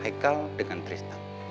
haikal dengan tristan